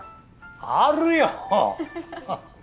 あるよ！